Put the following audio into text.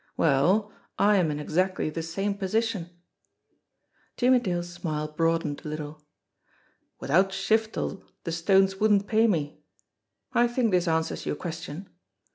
Well, I am in exactly the same position." Jimmie Dale's smile broadened a little. "Without Shiftel the stones wouldn't pay me. I think this answers your question.